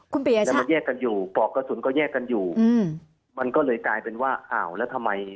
ขึ้นปรกตุสุนก็แยกกันอยู่มันก็เลยกลายเป็นว่าอ่าวแล้วทำไม